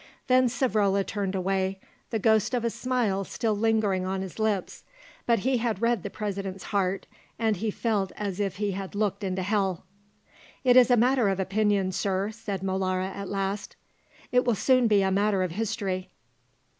Then Savrola turned away, the ghost of a smile still lingering on his lips; but he had read the President's heart and he felt as if he had looked into hell. "It is a matter of opinion, Sir," said Molara at last. "It will soon be a matter of history."